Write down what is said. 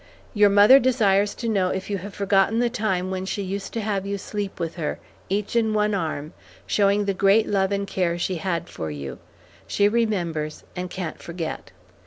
Your mother desires to know if you have forgotten the time when she used to have you sleep with her, each in one arm, showing the great love and care she had for you; she remembers, and can't forget.